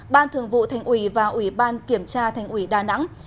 ban thường vụ thành ủy và ủy ban kiểm tra thành ủy đà nẵng